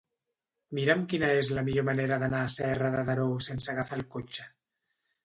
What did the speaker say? Mira'm quina és la millor manera d'anar a Serra de Daró sense agafar el cotxe.